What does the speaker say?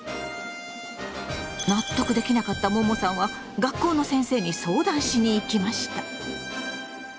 納得できなかったももさんは学校の先生に相談しに行きました。